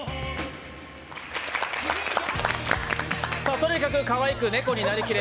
とにかくかわいく猫になり切れ